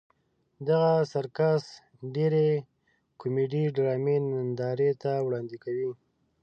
دغه سرکس ډېرې کومیډي ډرامې نندارې ته وړاندې کوي.